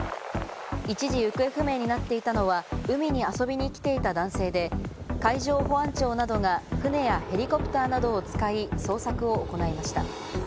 一時、行方不明になっていたのは、海に遊びに来ていた男性で、海上保安庁などが船やヘリコプターなどを使い、捜索を行いました。